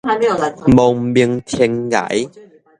亡命天涯